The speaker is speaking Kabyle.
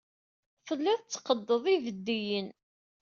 Telliḍ tetteqqdeḍ ideddiyen.